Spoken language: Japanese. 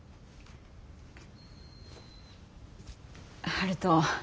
悠人。